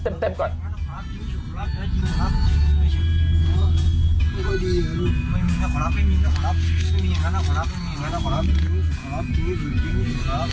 ไม่มีนะครับไม่มีนะครับ